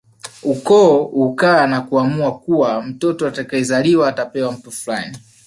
Ukoo hukaa na kuamua kuwa mtoto atakayezaliwa atapewa mtu fulani